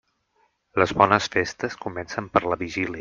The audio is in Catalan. Les bones festes comencen per la vigília.